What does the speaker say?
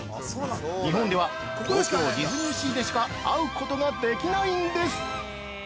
日本では、東京ディズニーシーでしか会うことができないんです！